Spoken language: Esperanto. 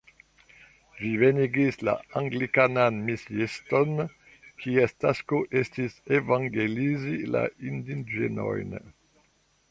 Ĝi venigis la anglikanan misiiston, kies tasko estis evangelizi la indiĝenojn.